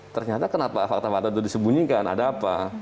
ternyata kenapa fakta fakta itu disembunyikan ada apa